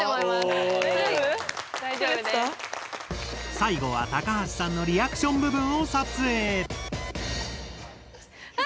最後は高橋さんのリアクション部分を撮影。